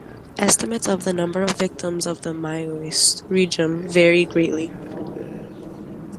Estimates of the number of victims of the Maoist regime vary greatly.